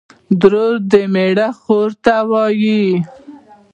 اندرور دمېړه خور ته وايي